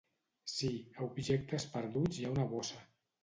Sí, a objectes perduts hi ha una bossa.